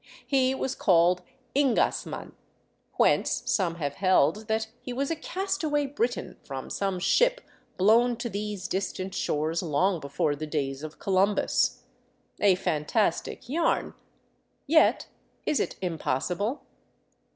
He was called Ingasman, whence some have held that he was a castaway Briton from some ship blown to these distant shores long before the days of Columbus. A fantastic yarn ; yet is it impossible